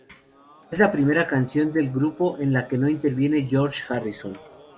Es la primera canción del grupo en la que no interviene George Harrison.